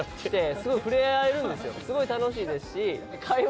すごい楽しいですし。